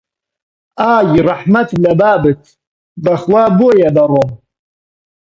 ئای ڕەحمەت لە بابت، بەخودا بۆیە دەڕۆم!